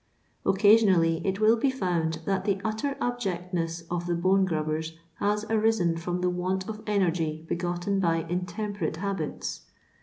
Occasionally it will be found that the utter abjectness of the bone grubbers has arisen from the want of energy begotten by intemperate habits.